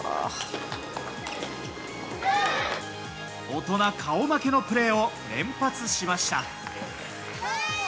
大人顔負けのプレーを連発しました。